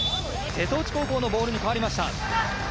瀬戸内高校のボールに変わりました。